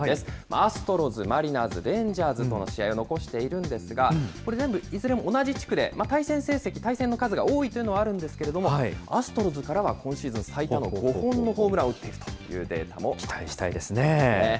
アストロズ、マリナーズ、レンジャーズとの試合を残しているんですが、これ全部、いずれも同じ地区で、対戦成績、対戦の数は多いというのはあるんですけれども、アストロズからは今シーズン最多の５本のホームランを打っている期待したいですね。